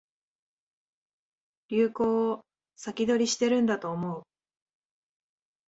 流行を先取りしてるんだと思う